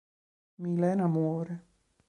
Milena muore.